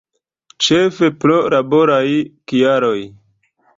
Ĉefe pro laboraj kialoj.